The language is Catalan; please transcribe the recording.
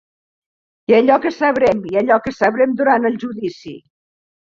I allò que sabrem, i allò que sabrem durant el judici.